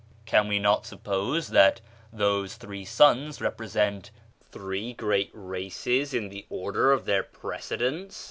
Can we not suppose that those three sons represent three great races in the order of their precedence?